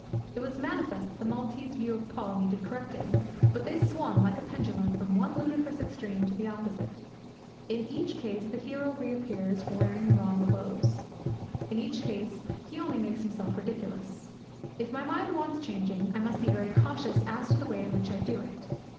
It was manifest that the Maltese view of Paul needed correcting, but they swung, like a pendulum, from one ludicrous extreme to the opposite. In each case, the hero reappears, wearing the wrong clothes. In each case he only makes himself ridiculous. If my mind wants changing, I must be very cautious as to the way in which I do it.